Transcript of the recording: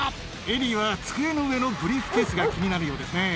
エディは机の上のブリーフケースが気になるようですね。